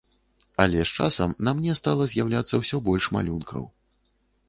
Але з часам на мне стала з'яўляцца ўсё больш малюнкаў.